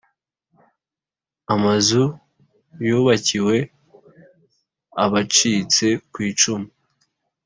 Amazu yubakiwe abacitse kwicumu